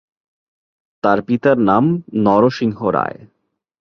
তার পিতার নাম নরসিংহ রায়।